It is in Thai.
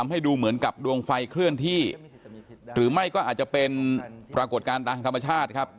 หรือไม่ก็อาจจะเป็นปรากฏการณ์ต่างจากธรรมชาติครับ